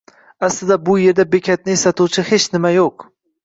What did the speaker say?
Aslida bu erda bekatni eslatuvchi hech nima yo`q